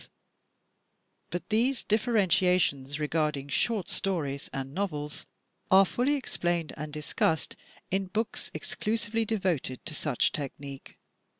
STRUCTURE 279 But these differentiations regarding short stories and novels are fully explained and discussed in books exclusively devoted to such technique.